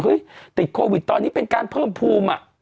ติดโควิดตอนนี้เป็นการเพิ่มภูมิ